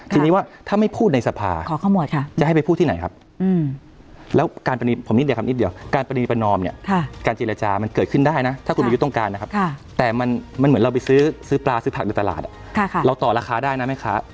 เพราะว่าถ้าไม่พูดในสภาจะให้ไปพูดที่ไหนครับแล้วการประณีประนอมเนี่ยการเจรจามันเกิดขึ้นได้นะถ้าคุณไม่ต้องการนะครับแต่มันเหมือนเราไปซื้อปลาซื้อผักในตลาดเราต่อราคาได้นะไหมคะ